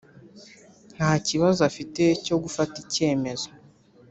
ntakibazo afite cyo gufata icyemezo